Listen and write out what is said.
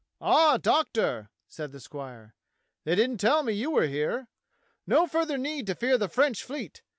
"Ah, Doctor," said the squire, "they didn't tell me you were here. No further need to fear the French fleet.